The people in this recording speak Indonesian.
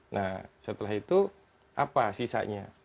nah setelah itu apa sisanya